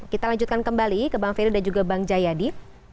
kita lanjutkan kembali ke bang ferry dan juga bang jayadi